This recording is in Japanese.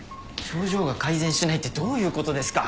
症状が改善しないってどういう事ですか？